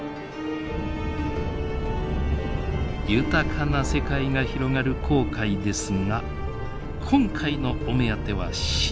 豊かな世界が広がる紅海ですが今回のお目当ては深海。